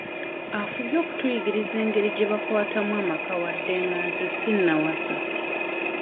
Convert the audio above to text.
Afubye okutuyigiriza engeri y'okukwatamu amaka wadde nga nze sinnawasa.